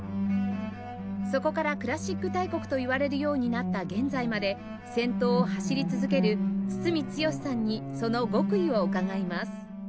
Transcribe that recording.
そこからクラシック大国といわれるようになった現在まで先頭を走り続ける堤剛さんにその極意を伺います